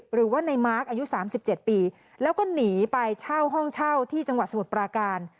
หรือว่าในมาร์คอายุ๓๗ปีแล้วก็หนีไปเช่าห้องเช่าที่จังหวัดสมุทรปราการ